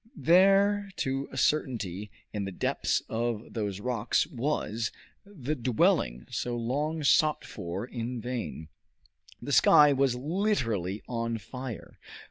There, to a certainty, in the depths of those rocks, was the dwelling so long sought for in vain. The sky was literally on fire.